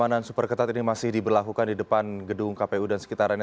pengamanan super ketat ini masih diberlakukan di depan gedung kpu dan sekitarnya